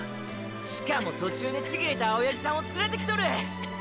しかも途中で千切れた青八木さんを連れてきとるー！！